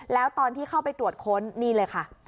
แล้วตอนที่เข้าไปตรวจค้นนี่เลยค่ะ